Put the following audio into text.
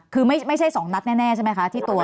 คือไม่ใช่๒นัดแน่ใช่ไหมคะที่ตัว